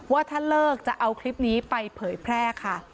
ว่าถ้าเลิกจะเอาคลิปนี้ไปเผยแพร่ค่ะ